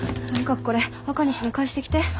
とにかくこれあかにしに返してきて。